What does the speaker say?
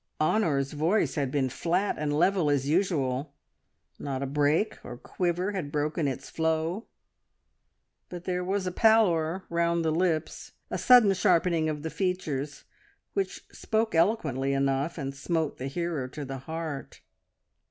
Honor's voice had been flat and level as usual, not a break or quiver had broken its flow, but there was a pallor round the lips, a sudden sharpening of the features, which spoke eloquently enough, and smote the hearer to the heart.